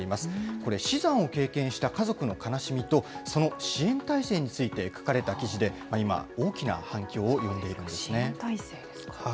これ、死産を経験した家族の悲しみと、その支援体制について書かれた記事で、今、大きな反響を呼支援体制ですか。